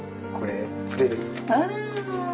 あら！